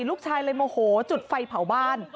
ลูกชายเลยโมโหจุดไฟเผาบ้าน